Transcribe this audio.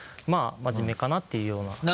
まぁ真面目かなっていうような。